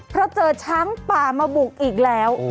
เพราะเจอช้างป่ามาบุกอีกแล้ว